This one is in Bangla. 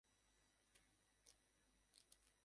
তিনি বিসমিল্লাহ খান সম্মান পেয়েছেন।